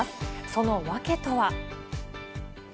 その訳とは。